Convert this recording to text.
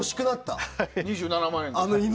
２７万円ですよ。